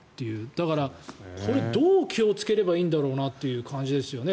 だから、どう気をつければいいんだろうなという感じですよね。